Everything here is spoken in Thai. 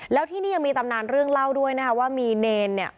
แล้วที่นี่ยังมีตำนานเรื่องเล่าด้วยนะคะว่ามีเนรเนี่ย